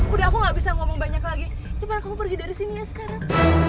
udah aku gak bisa ngomong banyak lagi coba aku pergi dari sini ya sekarang